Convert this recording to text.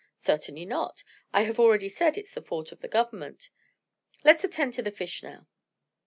"Certainly not. I have already said it's the fault of the Government. Let's attend to the fish now."